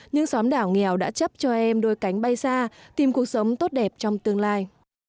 những xóm đảo nghèo đã chấp cho em đôi cánh bay xa tìm cuộc sống tốt đẹp trong tương lai